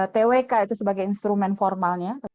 twk itu sebagai instrumen formalnya